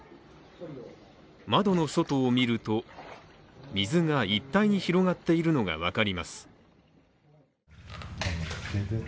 窓の外を見ると水が一帯に広がっているのが分かります。